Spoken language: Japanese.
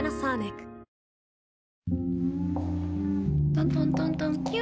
トントントントンキュ。